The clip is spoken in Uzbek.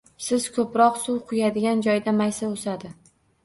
Siz ko’proq suv quyadigan joyda maysa o’sadi